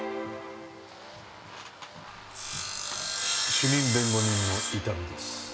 主任弁護人の伊丹です。